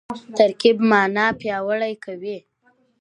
ترکیب مانا پیاوړې کوي.